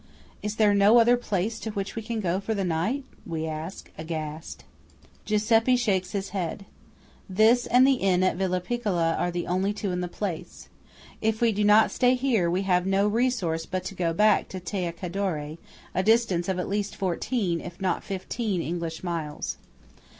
"Is there no other place to which we can go for the night?" we ask, aghast. Giuseppe shakes his head. This and the inn at Villa Piccola are the only two in the place. If we do not stay here, we have no resource but to go back to Tai Cadore, a distance of at least fourteen, if not fifteen, English miles.